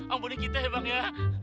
ambudi kita ya bang ya